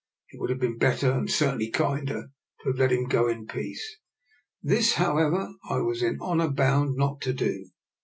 It would have been bet ter, and certainly kinder, to have let him go in peace. This, however, I was in honour bound not to do.